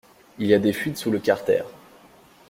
Il y a des fuites sous le carter.